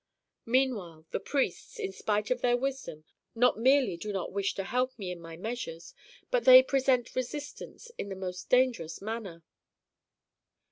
Meanwhile the priests, in spite of their wisdom, not merely do not wish to help me in my measures, but they present resistance in the most dangerous manner.